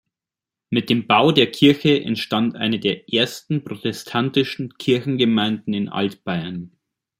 Mit dem Bau der Kirche entstand eine der ersten protestantischen Kirchengemeinden in Altbayern.